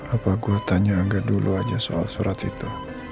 apa gue tanya nggak dulu aja soal surat itu